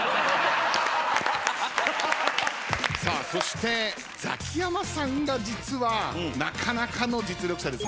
さあそしてザキヤマさんが実はなかなかの実力者ですもんね。